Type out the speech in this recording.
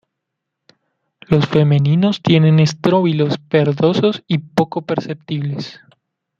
Los femeninos tienen estróbilos verdosos y poco perceptibles.